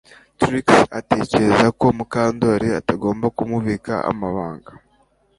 Trix atekereza ko Mukandoli atagomba kumubika amabanga